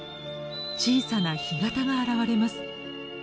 小さな干潟が現れます。